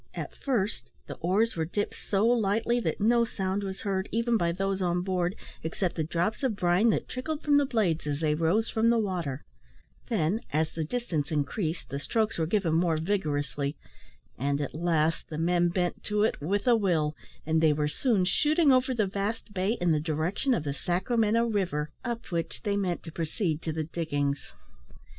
At first, the oars were dipped so lightly that no sound was heard, even by those on board, except the drops of brine that trickled from the blades as they rose from the water; then, as the distance increased, the strokes were given more vigorously, and, at last, the men bent to it "with a will;" and they were soon shooting over the vast bay in the direction of the Sacramento river, up which they meant to proceed to the "diggings."